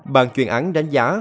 bàn chuyên án đánh giá